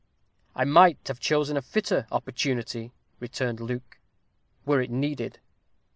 "I might have chosen a fitter opportunity," returned Luke, "were it needed.